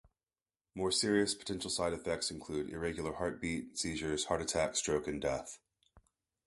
More serious potential side effects include irregular heartbeat, seizures, heart attack, stroke, and death.